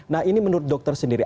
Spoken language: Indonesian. nah ini menurut dokter sendiri